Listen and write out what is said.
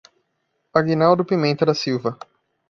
Aguinaldo Pimenta da Silva